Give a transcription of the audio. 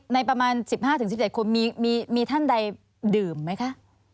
ประมาณ๑๕๑๗คนมีท่านใดดื่มไหมคะ